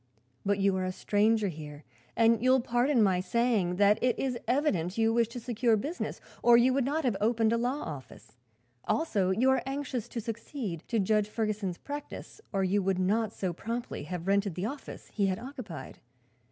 "But you are a stranger here and you will pardon my saying that it is evident you wish to secure business, or you would not have opened a law office. Also you are anxious to succeed to Judge Ferguson's practice, or you would not so promptly have rented the office he had occupied.